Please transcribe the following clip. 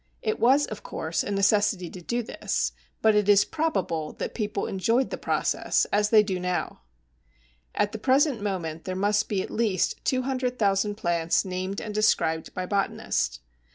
It was, of course, a necessity to do this, but it is probable that people enjoyed the process as they do now. At the present moment there must be at least 200,000 plants named and described by botanists.